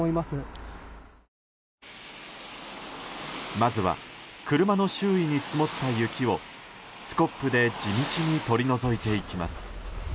まずは車の周囲に積もった雪をスコップで地道に取り除いていきます。